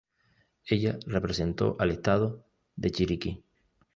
Ella representó al estado de Chiriquí.